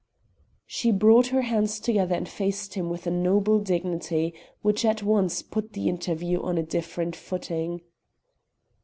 She brought her hands together and faced him with a noble dignity which at once put the interview on a different footing.